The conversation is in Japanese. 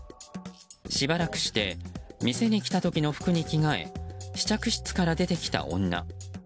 しばらくして店に来た時の服に着替え試着室から出てきた女。